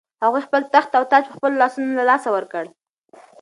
هغوی خپل تخت او تاج په خپلو لاسونو له لاسه ورکړ.